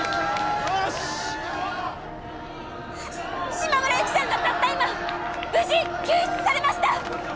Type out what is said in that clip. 島村由希さんがたった今無事救出されました！